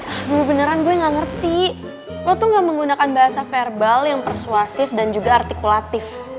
aduh beneran gue gak ngerti lu tuh gak menggunakan bahasa verbal yang persuasif dan juga artikulatif